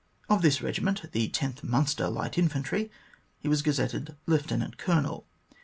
Of this regiment, the 10th Minister Light Infantry, he was gazetted Lieutenant Colonel.